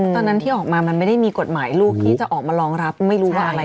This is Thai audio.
ตอนนั้นที่ออกมามันไม่ได้มีกฎหมายลูกที่จะออกมารองรับไม่รู้ว่าอะไร